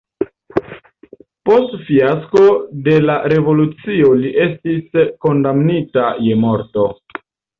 Post fiasko de la revolucio li estis kondamnita je morto.